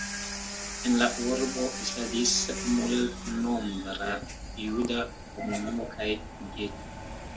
En la urbo estadis multnombra juda komunumo kaj geto.